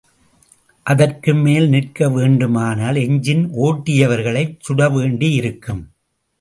அதற்கு மேல் நிற்க வேண்டுமானால் எஞ்சின் ஒட்டியவர்களைச் சுடவேண்டியிருக்கும்.